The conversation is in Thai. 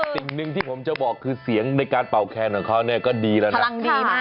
สิ่งหนึ่งที่ผมจะบอกคือเสียงในการเป่าแคนของเขาเนี่ยก็ดีแล้วนะ